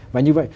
và như vậy